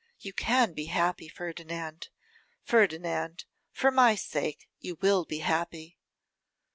you can be happy, Ferdinand; Ferdinand, for my sake you will be happy.